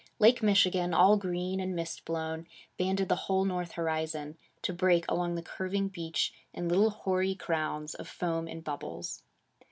Lake Michigan, all green and mist blown, banded the whole north horizon, to break along the curving beach in little hoary crowns of foam and bubbles.